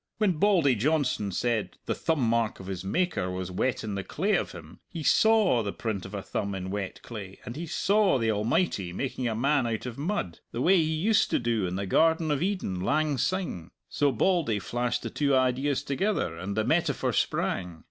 When Bauldy Johnston said 'the thumb mark of his Maker was wet in the clay of him,' he saw the print of a thumb in wet clay, and he saw the Almighty making a man out of mud, the way He used to do in the Garden of Eden lang syne. So Bauldy flashed the two ideas together, and the metaphor sprang!